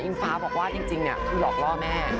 ฟ้าบอกว่าจริงคือหลอกล่อแม่